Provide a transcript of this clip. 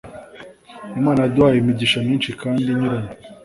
Imana yaduhaye imigisha myinshi kandi inyuranye